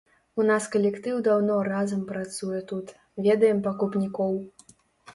У нас калектыў даўно разам працуе тут, ведаем пакупнікоў.